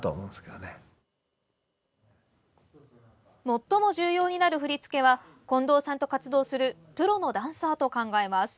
最も重要になる振り付けは近藤さんと活動するプロのダンサーと考えます。